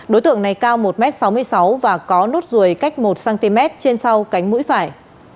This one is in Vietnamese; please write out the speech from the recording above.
đối tượng này cao một m sáu mươi sáu và có nốt ruồi cách một cm trên sau cánh mũi phải